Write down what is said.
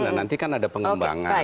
dan nanti kan ada pengembangan